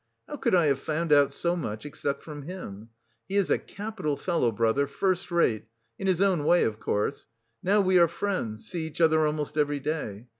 How could I have found out so much except from him? He is a capital fellow, brother, first rate... in his own way, of course. Now we are friends see each other almost every day.